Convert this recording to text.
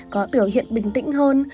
có biểu hiện bình tĩnh hơn